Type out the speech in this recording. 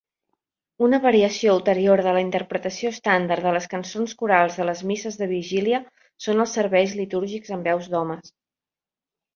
Una variació ulterior de la interpretació estàndard de les cançons corals de les misses de vigília són els serveis litúrgics amb veus d'homes.